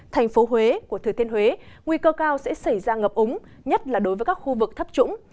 thành phố huế của thừa thiên huế nguy cơ cao sẽ xảy ra ngập úng nhất là đối với các khu vực thấp trũng